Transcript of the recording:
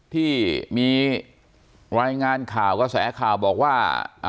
ที่มีรายงานข่าวกระแสข่าวบอกว่า